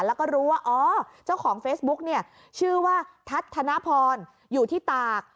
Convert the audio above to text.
แล้วก็รู้ว่าอ๋อเจ้าของเฟซบุ๊กเนี่ยชื่อว่าทัศนพรอยู่ที่ตาก